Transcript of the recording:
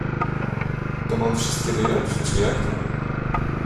To mam wszystkie wyjąć, czy jak?